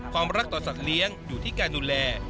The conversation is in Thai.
ความรักต่อสัตว์เลี้ยงอยู่ที่การดูแล